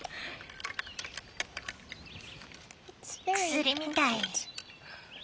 薬みたい。